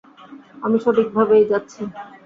আমি সঠিকভাবেই যাচ্ছি।